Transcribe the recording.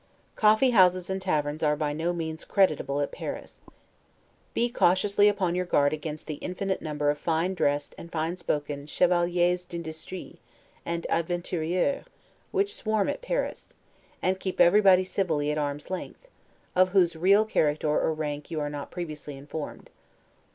Coffee houses and taverns are by no means creditable at Paris. Be cautiously upon your guard against the infinite number of fine dressed and fine spoken 'chevaliers d'industrie' and 'avanturiers' which swarm at Paris: and keep everybody civilly at arm's length, of whose real character or rank you are not previously informed.